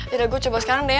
yaudah gue coba sekarang deh